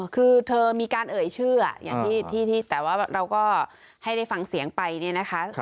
คือเธอมีการเอ่ยชื่ออย่างที่แต่ว่าเราก็ให้ได้ฟังเสียงไปเนี่ยนะคะ